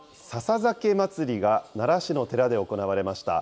笹酒祭りが奈良市の寺で行われました。